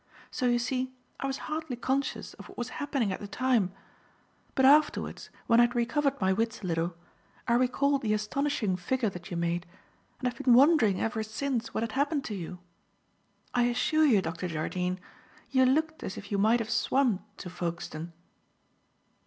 So you see, I was hardly conscious of what was happening at the time. But afterwards, when I had recovered my wits a little, I recalled the astonishing figure that you made, and I have been wondering ever since what had happened to you. I assure you. Dr. Jardine, you looked as if you might have swum to Folkestone."